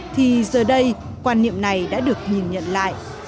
thì giờ đây quan niệm này đã được nhìn nhận lại